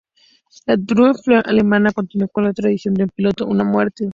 La Luftwaffe alemana continuó con la tradición de "un piloto, una muerte.